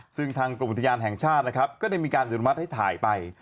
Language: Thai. ซึ่งทางกรมอุทยานแห่งชาตินะครับก็ได้มีการอนุมัติให้ถ่ายไป